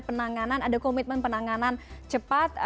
penanganan ada komitmen penanganan cepat